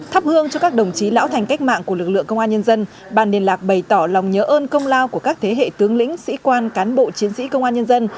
thắp hương cho các đồng chí lão thành cách mạng của lực lượng công an nhân dân bàn liên lạc bày tỏ lòng nhớ ơn công lao của các thế hệ tướng lĩnh sĩ quan cán bộ chiến sĩ công an nhân dân